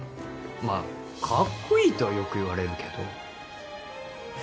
まあかっこいいとはよく言われるけど。